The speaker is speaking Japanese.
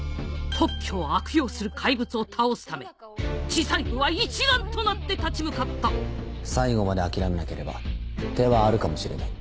特許を悪用する怪物を倒すため知財部は一丸となって立ち向かった最後まで諦めなければ手はあるかもしれない。